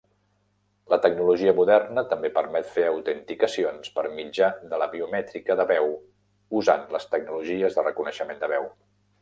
La tecnologia moderna també permet fer autenticacions per mitjà de la biomètrica de veu usant les tecnologies de reconeixement de veu.